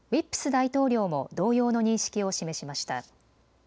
大統領も同様の認識を示しました。